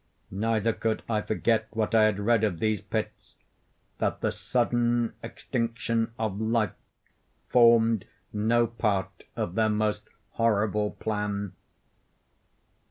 Neither could I forget what I had read of these pits—that the sudden extinction of life formed no part of their most horrible plan.